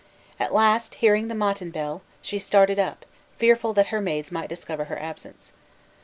At last, hearing the matinbell, she started up, fearful that her maids might discover her absence.